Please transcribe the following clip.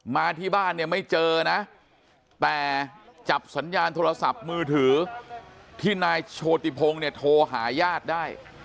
มาที่บ้านเนี่ยไม่เจอนะแต่จับสัญญาณโทรศัพท์มือถือที่นายโชติพงศ์เนี่ยโทรหาญาติได้